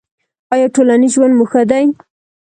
ایا ټولنیز ژوند مو ښه دی؟